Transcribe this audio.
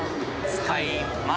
使います。